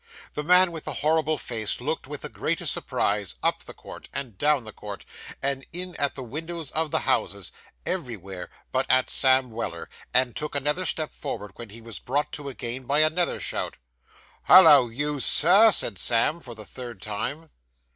The man with the horrible face looked, with the greatest surprise, up the court, and down the court, and in at the windows of the houses everywhere but at Sam Weller and took another step forward, when he was brought to again by another shout. 'Hollo, you sir!' said Sam, for the third time.